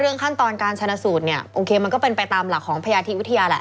เรื่องขั้นตอนการชันสูตรมันก็เป็นไปตามหลักของพยาธิวิทยา